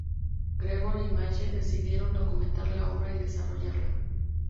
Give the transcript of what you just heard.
Gregory y Malle decidieron documentar la obra y desarrollarla.